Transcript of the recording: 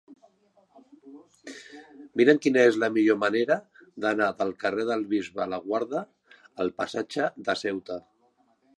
Mira'm quina és la millor manera d'anar del carrer del Bisbe Laguarda al passatge de Ceuta.